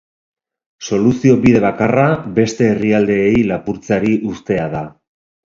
Soluzio bide bakarra beste herrialdeei lapurtzeari uztea da.